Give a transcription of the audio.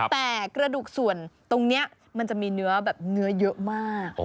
แต่กระดูกส่วนตรงนี้มันจะมีเนื้อแบบเนื้อเยอะมาก